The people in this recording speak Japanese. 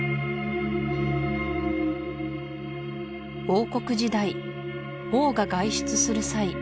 王国時代王が外出する際